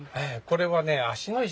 これはね